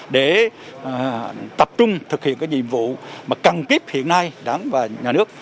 để tập trung thực hiện cái nhiệm vụ mà cần kiếp hiện nay đáng và nhà nước